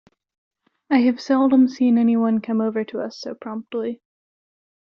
I have seldom seen anyone come over to us so promptly.